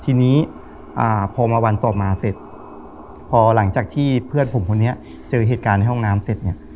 ทีนี้อ่าพอมาวันต่อมาเสร็จพอหลังจากที่เพื่อนผมคนนี้เจอเหตุการณ์ในห้องน้ำเสร็จเนี่ย